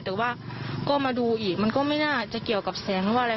แต่ว่าก็มาดูอีกมันก็ไม่น่าจะเกี่ยวกับแสงหรือว่าอะไร